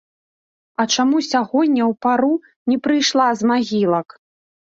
А чаму сягоння ў пару не прыйшла з магілак?